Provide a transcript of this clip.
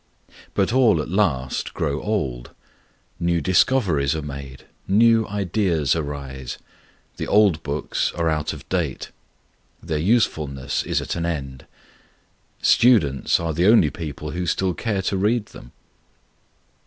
But all at last grow old; new discoveries are made; new ideas arise; the old books are out of date; their usefulness is at an end. Students are the only people who still care to read them.